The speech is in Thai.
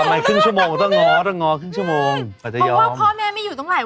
แล้วมีงานพ่อเข้ามาบ้างมั้ย